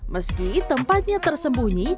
meski tempatnya tersembunyi